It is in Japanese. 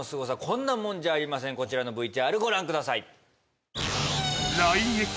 こんなもんじゃありませんこちらのＶＴＲご覧ください